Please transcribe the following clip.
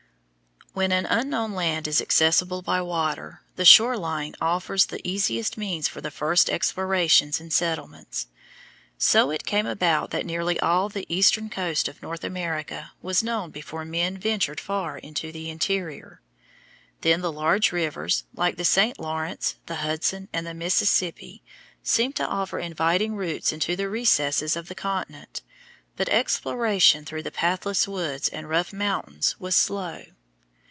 When an unknown land is accessible by water, the shore line offers the easiest means for the first explorations and settlements. So it came about that nearly all the eastern coast of North America was known before men ventured far into the interior. Then the large rivers, like the St. Lawrence, the Hudson, and the Mississippi, seemed to offer inviting routes into the recesses of the continent, but exploration through the pathless woods and rough mountains was slow.